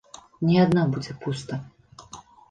Не адна будзе пуста.